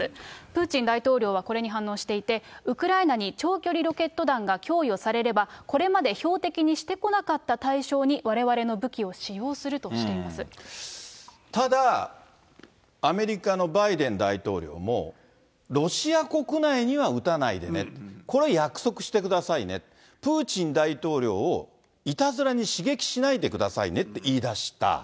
プーチン大統領はこれに反論していて、ウクライナに長距離ロケット弾が供与されれば、これまで標的にしてこなかった対象にわれわれの武器を使用するとただ、アメリカのバイデン大統領も、ロシア国内には撃たないでね、これは約束してくださいね、プーチン大統領をいたずらに刺激しないでくださいねって言いだした。